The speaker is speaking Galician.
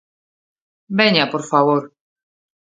Veña, por favor.